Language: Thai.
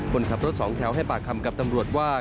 คนขับรถสองแถวให้ปากคำกับตำรวจว่า